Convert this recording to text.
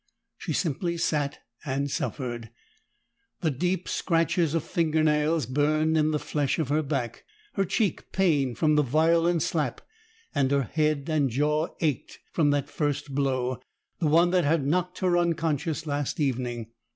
She simply sat and suffered; the deep scratches of fingernails burned in the flesh of her back, her cheek pained from the violent slap, and her head and jaw ached from that first blow, the one that had knocked her unconscious last evening.